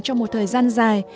trong một thời gian dài